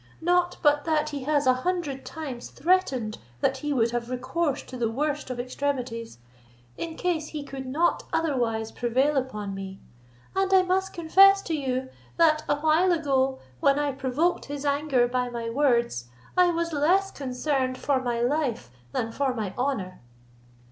Not but that he has a hundred times threatened that he would have recourse to the worst of extremities, in case he could not otherwise prevail upon me; and I must confess to you, that awhile ago, when I provoked his anger by my words, I was less concerned for my life than for my honour.